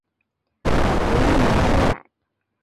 不利于修改